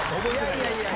いやいや。